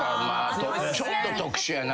ちょっと特殊やな。